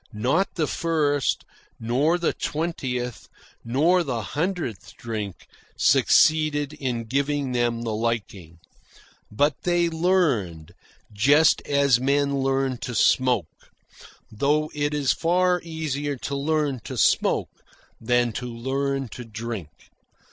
Not the first, nor the twentieth, nor the hundredth drink, succeeded in giving them the liking. But they learned, just as men learn to smoke; though it is far easier to learn to smoke than to learn to drink.